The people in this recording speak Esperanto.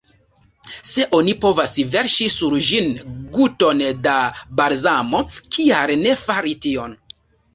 Se oni povas verŝi sur ĝin guton da balzamo, kial ne fari tion?